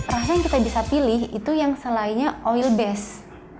rasa yang kita bisa pilih itu yang selainnya oil base